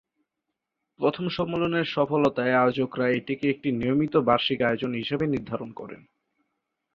প্রথম সম্মেলনের সফলতায় আয়োজকরা এটিকে একটি নিয়মিত বার্ষিক আয়োজন হিসেবে নির্ধারণ করেন।